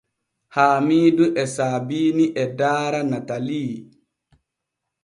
Haamiidu e Sabiini e daara Natalii.